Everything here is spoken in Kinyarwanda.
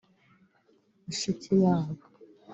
Mushikiwabo